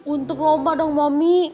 untuk lompat dong momi